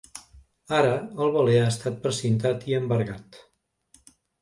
Ara el veler ha estat precintat i embargat.